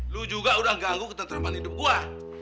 lu juga udah ganggu ketetapan hidup gue